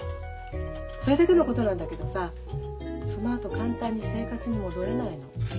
それだけのことなんだけどさそのあと簡単に生活に戻れないの。